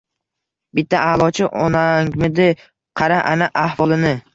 Bitta aʼlochi onangmidi, qara ana ahvolini.